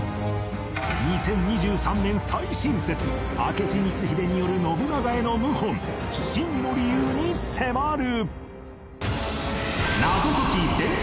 ２０２３年最新説明智光秀による信長への謀反真の理由に迫る！